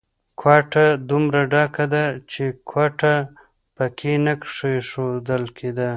کوټه دومره ډکه ده چې ګوته په کې نه کېښول کېده.